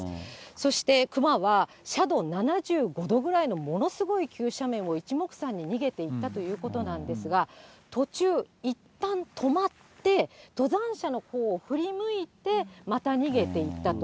そして、クマは斜度７５度ぐらいのものすごい急斜面をいちもくさんに逃げていったということなんですが、途中、いったん止まって、登山者のほうを振り向いて、また逃げていったと。